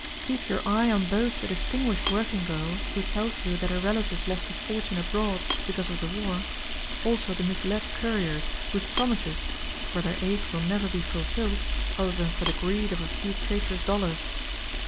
Keep your eye on both the distinguished working girl who tells you that her relatives lost a fortune abroad, because of the war; also the misled couriers whose promises — for liielr aid will never be fulfilled, other than for the greed of a few traitorous dollars